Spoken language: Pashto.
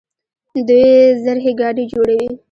دوی زرهي ګاډي جوړوي.